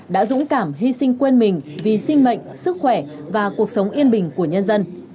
đã dũng cảm hy sinh quên mình vì sinh mệnh sức khỏe và cuộc sống yên bình của nhân dân